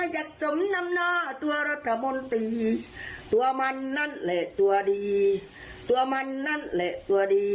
จะสมนำหน้าตัวรัฐมนตรีตัวมันนั่นแหละตัวดีตัวมันนั่นแหละตัวดี